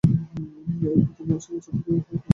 এরপর তিনি আশি বছর কাল জীবিত থাকেন।